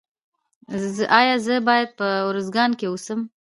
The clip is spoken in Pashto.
ایا زه باید په ارزګان کې اوسم؟